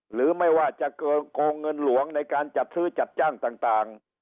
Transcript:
หรือไม่ว่าจะโกงเงินหลวงในการจัดซื้อจัดจ้างต่าง